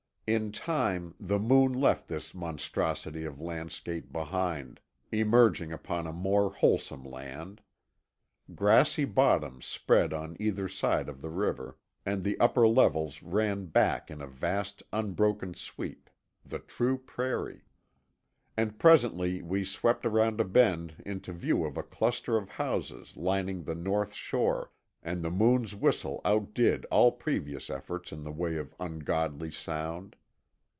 In time the Moon left this monstrosity of landscape behind, emerging upon a more wholesome land. Grassy bottoms spread on either side the river, and the upper levels ran back in a vast unbroken sweep, the true prairie. And presently we swept around a bend into view of a cluster of houses lining the north shore, and the Moon's whistle outdid all previous efforts in the way of ungodly sound.